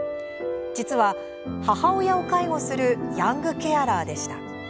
実は、母親を介護するヤングケアラーでした。